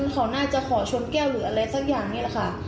เขาน่าจะขอชนแก้วหรืออะไรสักอย่างนี้แหละค่ะ